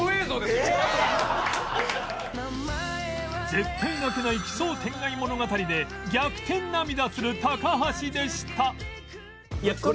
絶対泣けない奇想天外物語で逆転涙する高橋でした